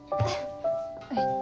はい。